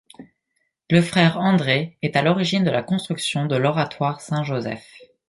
Le Frère André est à l’origine de la construction de l’Oratoire Saint-Joseph.